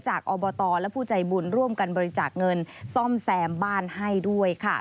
อบตและผู้ใจบุญร่วมกันบริจาคเงินซ่อมแซมบ้านให้ด้วยค่ะ